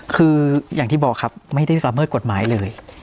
คืออย่างที่บอกครับไม่ได้ละเมิดกฎหมายเลย